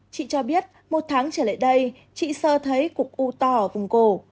chị cho biết một tháng trở lại đây chị sơ thấy cục u tò ở vùng cổ